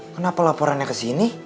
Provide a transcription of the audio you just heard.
kenapa laporannya kesini